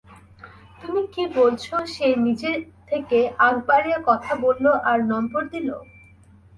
তুমি কি বলছো সে নিজে থেকে আগ বাড়িয়ে কথা বলল আর নম্বর দিলো?